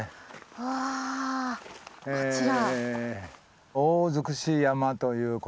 うわこちら。